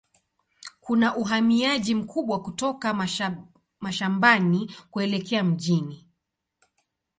Kuna uhamiaji mkubwa kutoka mashambani kuelekea mjini.